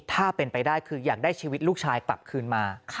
ถ้าเป็นไปได้คืออยากได้ชีวิตลูกชายกลับคืนมา